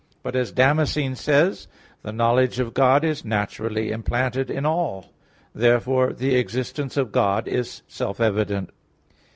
But as Damascene says (De Fide Orth. i, 1,3), "the knowledge of God is naturally implanted in all." Therefore the existence of God is self evident.